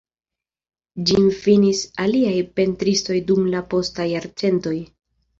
Ĝin finis aliaj pentristoj dum la posta jarcento.